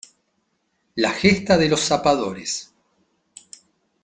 La gesta de los zapadores